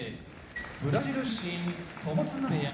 ブラジル出身友綱部屋